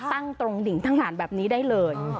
ตั้งตรงดิ่งทั้งหารแบบนี้ได้เลย